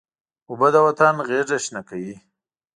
اوبه د وطن غیږه شنه کوي.